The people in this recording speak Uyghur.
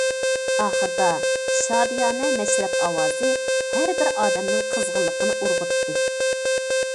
ئاخىرىدا شادىيانە مەشرەپ ئاۋازى ھەربىر ئادەمنىڭ قىزغىنلىقىنى ئۇرغۇتتى.